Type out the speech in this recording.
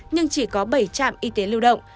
nhưng chỉ có bảy trạm y tế lưu động